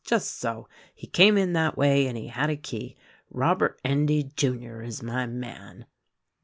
Just so! He came in that way, and he had a key. Robert Endy, Jr., is my man."